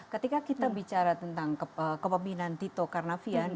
ketika kita bicara tentang kepemimpinan tito karnavian